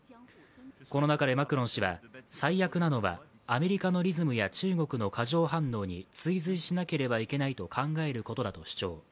この中でマクロン氏は最悪なのはアメリカのリズムや中国の過剰反応に追随しなければいけないと考えることだと主張。